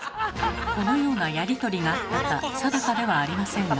このようなやり取りがあったか定かではありませんが。